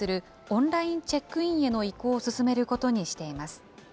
オンラインチェックインへの移行を進めることにしています。